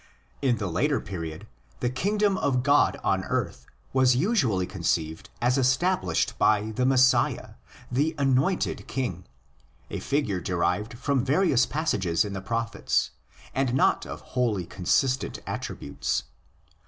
In the later period, the kingdom of God on earth was usually conceived as established by the '' Messiah'"' —the '' Anointed King ''—a figure derived from various passages in the prophets, and not of wholly consistent POST BIBLICAL ESCHATOLOGY OF THE JEWS 18 attributes.